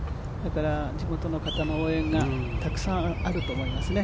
地元の方の応援がたくさんあると思いますね。